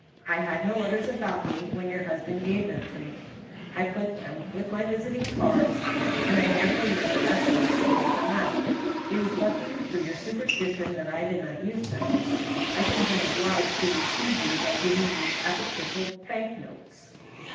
I had no others about me when your husband gave them to me. I put them with my visiting cards, and I never remembered afterward to take them out. It is lucky for your superstition that I did not use them. I should have been obliged to deceive you by giving you apocryphal bank notes.